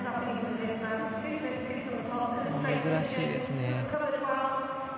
珍しいですね。